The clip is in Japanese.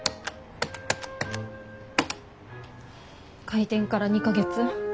開店から２か月。